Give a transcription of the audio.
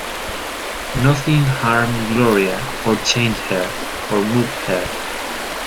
Nothing harmed Gloria or changed her or moved her.